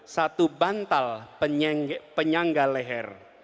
satu bantal penyangga leher